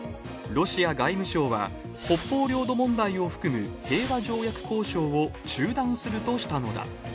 ロシア外務省は、北方領土問題を含む平和条約交渉を中断するとしたのだ。